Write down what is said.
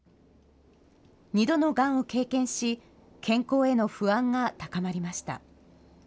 ２度のがんを経験し、健康への不安が高まりました。